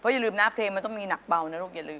จนกระแปลงครับ